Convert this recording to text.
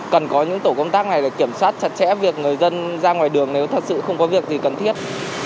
cần có những tổ công tác này để kiểm soát chặt chẽ việc người dân ra ngoài đường nếu thật sự không có việc gì cần thiết